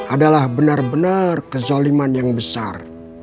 adalah benar benar kezaliman yang besar